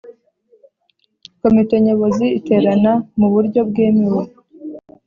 Komite Nyobozi iterana mu buryo bwemewe